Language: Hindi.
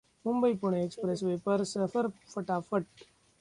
मुंबई-पुणे एक्सप्रेसवे पर सफर फटाफट